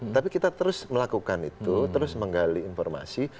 tapi kita terus melakukan itu terus menggali informasi